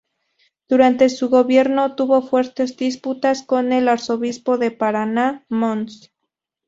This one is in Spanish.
Durante su gobierno tuvo fuertes disputas con el Arzobispo de Paraná, Mons.